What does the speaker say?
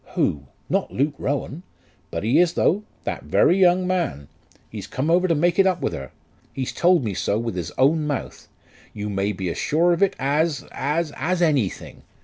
"Who? not Luke Rowan?" "But he is though; that very young man! He's come over to make it up with her. He's told me so with his own mouth. You may be as sure of it as, as, as anything.